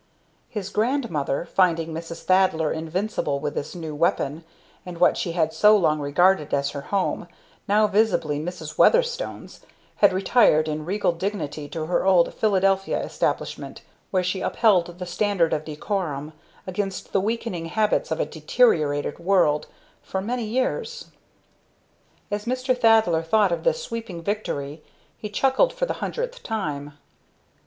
His Grandmother, finding Mrs. Thaddler invincible with this new weapon, and what she had so long regarded as her home now visibly Mrs. Weatherstone's, had retired in regal dignity to her old Philadelphia establishment, where she upheld the standard of decorum against the weakening habits of a deteriorated world, for many years. As Mr. Thaddler thought of this sweeping victory, he chuckled for the hundredth time.